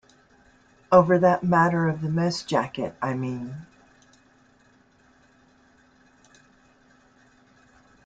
Over that matter of the mess jacket, I mean.